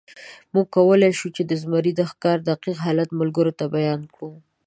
موږ کولی شو، چې د زمري د ښکار دقیق حالت ملګرو ته بیان کړو.